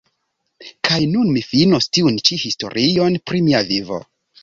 Kaj nun mi finos tiun-ĉi historion pri mia vivo.